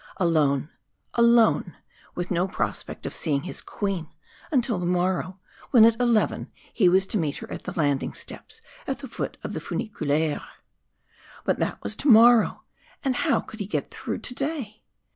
Alone, alone with no prospect of seeing his Queen until the morrow, when at eleven he was to meet her at the landing steps at the foot of the funiculaire. But that was to morrow, and how could he get through to day?